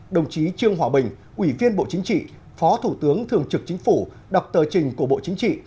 đồng chí trương hòa bình ủy viên bộ chính trị phó thủ tướng thường trực chính phủ đọc tờ trình của bộ chính trị